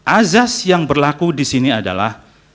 azas yang berlaku di sini adalah